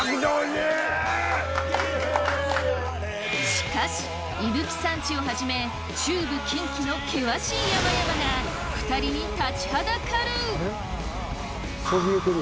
しかし伊吹山地をはじめ中部・近畿の険しい山々が２人に立ちはだかる！